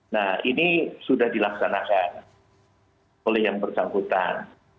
nah ini sudah dilaksanakan oleh yang bersangkutan